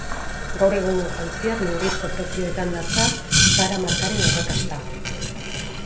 Gaur egungo jantziak neurrizko prezioetan datza Zara markaren arrakasta.